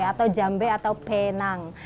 atau jambe atau penang